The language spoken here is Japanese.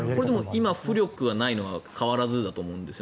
今、浮力がないのは変わらずだと思うんです。